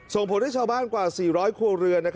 ส่งผลให้ชาวบ้านกว่า๔๐๐ครัวเรือน